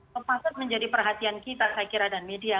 memasukkan menjadi perhatian kita saya kira dan media